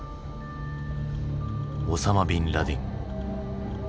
オサマ・ビン・ラディン。